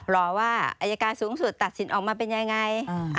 รอว่าอายการสูงสุดตัดสินออกมาเป็นยังไง